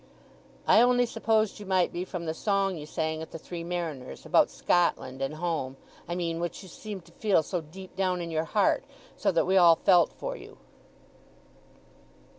"I only supposed you might be from the song you sang at the Three Mariners—about Scotland and home, I mean—which you seemed to feel so deep down in your heart; so that we all felt for you."